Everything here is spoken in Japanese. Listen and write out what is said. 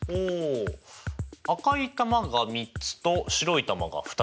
赤い球が３つと白い球が２つ。